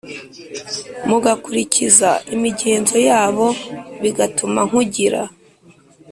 mugakurikiza imigenzo yabo bigatuma nkugira